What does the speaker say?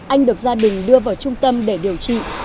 anh được gia đình đưa vào trung tâm để điều trị